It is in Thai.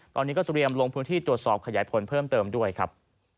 ตอนนี้ก็เตรียมลงพื้นที่ตรวจสอบขยายผลเพิ่มเติมด้วยครับ